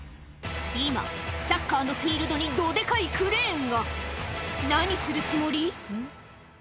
今サッカーのフィールドにどデカいクレーンが何するつもり？